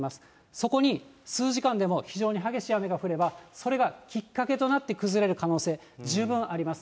そこに数時間でも非常に激しい雨が降れば、それがきっかけとなって崩れる可能性、十分あります。